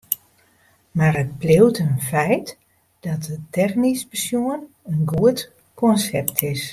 Mar it bliuwt in feit dat it technysk besjoen in goed konsept is.